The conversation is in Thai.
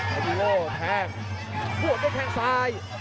เพชรวีโวแทงพวกเขาแทงซ้าย